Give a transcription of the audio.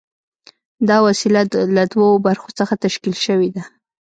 دا وسیله له دوو برخو څخه تشکیل شوې ده.